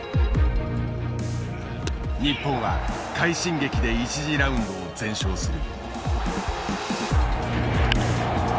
日本は快進撃で１次ラウンドを全勝する。